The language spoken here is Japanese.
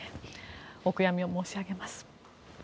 お悔やみを申し上げます。